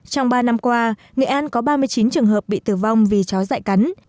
trong ba năm qua nghệ an có ba mươi chín trường hợp bị tử vong vì chó dạy cắn